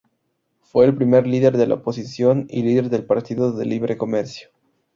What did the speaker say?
Fue el primer líder de la oposición y líder del Partido del Libre Comercio.